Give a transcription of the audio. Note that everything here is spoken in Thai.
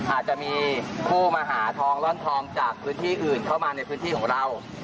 อาจจะมีผู้มาหาทองร่อนทองจากพื้นที่อื่นเข้ามาในพื้นที่ของเรา